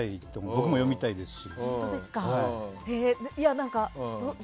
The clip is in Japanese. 僕も読みたいですし。